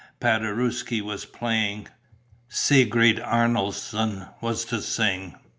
Paderewski was playing, Sigrid Arnoldson was to sing.